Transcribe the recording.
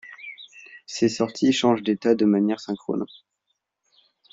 Ses sorties changent d'état de manière synchrones.